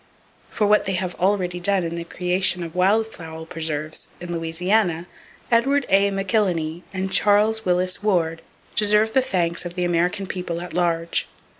For what they already have done in the creation of wild fowl preserves in Louisiana, Edward A. McIlhenny and Charles Willis Ward deserve the thanks of the American People at large.